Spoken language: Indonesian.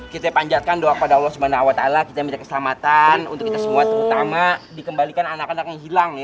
kita panjatkan doa kepada allah swt kita menjaga keselamatan untuk kita semua terutama dikembalikan anak anak yang hilang ya